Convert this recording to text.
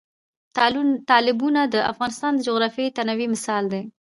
تالابونه د افغانستان د جغرافیوي تنوع مثال دی.